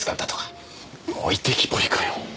置いてきぼりかよ！